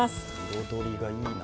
彩りがいいな。